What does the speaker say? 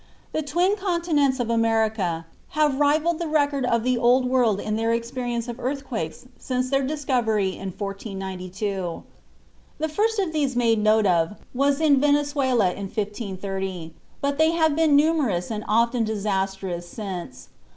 The twin continents of America have rivalled the record of the Old World in their experience of earthquakes since their discovery in 1492. The first of these made note of was in Venezuela in 1530, but they have been numerous and often disastrous since.